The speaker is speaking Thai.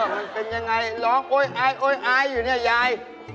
มันเป็นยังไงร้องโอ๊ยอายโอ๊ยอายอยู่เนี่ยยาย